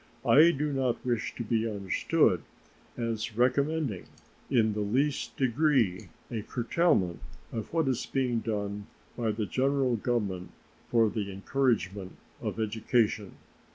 I do not wish to be understood as recommending in the least degree a curtailment of what is being done by the General Government for the encouragement of education.